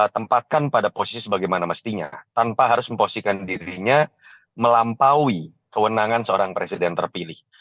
tempatkan pada posisi sebagaimana mestinya tanpa harus memposikan dirinya melampaui kewenangan seorang presiden terpilih